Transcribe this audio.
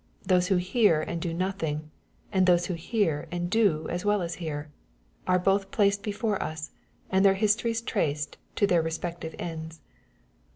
Those who hear and do nothing— and those who hear and do as well as hear — are both placed before us^ and their histories traced to their respective ends.